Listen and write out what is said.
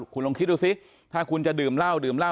คุณลองคิดดูสิถ้าคุณจะดื่มเหล้าดื่มเหล้า